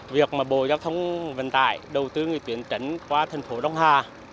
việc bộ giao thông vận tải đầu tư người tuyến tránh qua thành phố đông hà